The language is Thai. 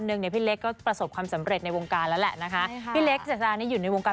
สึงตาววันนี้ขอบคุณน้องเล็กและแม่นมด้วยนะคะ